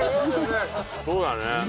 そうだね。